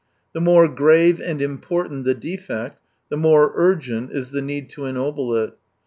The more grave and impfortant the defect, the more urgent is the need to ennoble it.